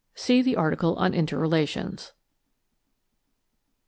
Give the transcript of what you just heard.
(See the article on Inter relations.)